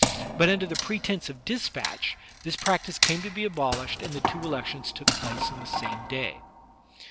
But, under pretense of dispatch, this practice came to be abolished and the two elections took place on the same day.